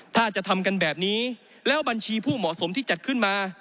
ถ้าจะทำกันแบบนี้แล้วบัญชีผู้เหมาะสมที่จัดขึ้นมา